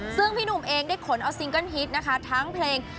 ซึ่งพี่หนุ่มเองได้ขนเอาซิงเกิ้ลฮิตนะคะทั้งเพลง